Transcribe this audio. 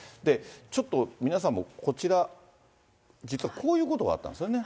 ちょっと、皆さんもこちら、実はこういうことがあったんですよね。